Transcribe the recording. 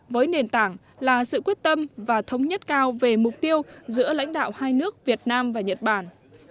với nền tảng là sự quyết tâm và thống nhất cao về mục tiêu giữa lãnh đạo hai nước việt nam và nhật bản